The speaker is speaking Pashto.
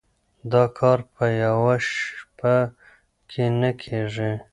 دا کار په يوه شپه کي نه کيږي.